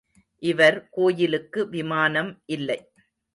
இவர் கோயிலுக்கு விமானம் இல்லை.